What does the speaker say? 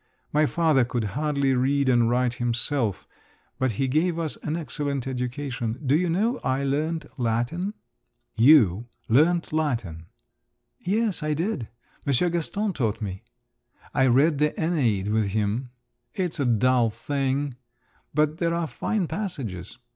My father could hardly read and write himself, but he gave us an excellent education. Do you know, I learnt Latin!" "You? learnt Latin?" "Yes; I did. Monsieur Gaston taught me. I read the Æneid with him. It's a dull thing, but there are fine passages.